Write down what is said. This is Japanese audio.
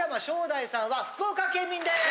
大さんは福岡県民です！